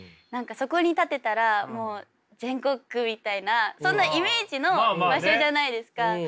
そこに立てたらもう全国区みたいなそんなイメージの場所じゃないですか。